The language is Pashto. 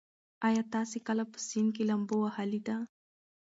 ایا تاسي کله په سیند کې لامبو وهلې ده؟